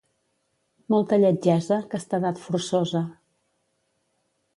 Molta lletgesa, castedat forçosa.